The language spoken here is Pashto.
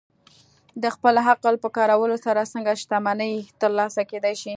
د خپل عقل په کارولو سره څنګه شتمني ترلاسه کېدای شي؟